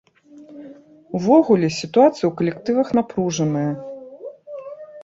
Увогуле, сітуацыя ў калектывах напружаная.